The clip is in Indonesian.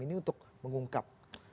ini untuk mengungkap